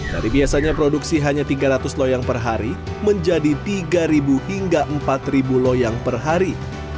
dari biasanya produksi hanya tiga ratus loyang per hari menjadi tiga hingga empat loyang per hari